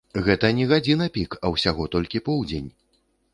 Гэта не гадзіна-пік, а ўсяго толькі поўдзень.